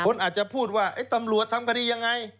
คนอาจจะพูดว่าตำรวจทำคดียังไง